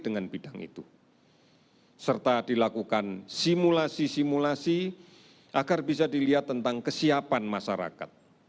dengan bidang itu serta dilakukan simulasi simulasi agar bisa dilihat tentang kesiapan masyarakat